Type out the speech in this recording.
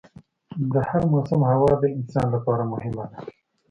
د هر موسم هوا د انسان لپاره مهم ده.